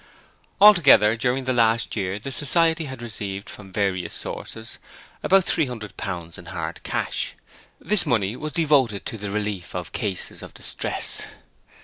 Altogether during the last year the Society had received from various sources about three hundred pounds in hard cash. This money was devoted to the relief of cases of distress.